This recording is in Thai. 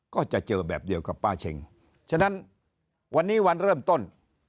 ก็จะเจอแบบเดียวกับป้าเช็งฉะนั้นวันนี้วันเริ่มต้น